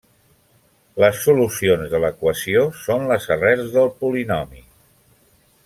Les solucions de l'equació són les arrels del polinomi.